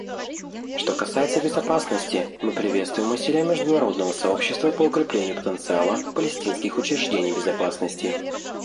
Что касается безопасности, мы приветствуем усилия международного сообщества по укреплению потенциала палестинских учреждений безопасности.